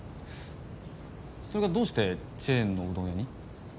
それがどうしてチェーンのうどん屋に？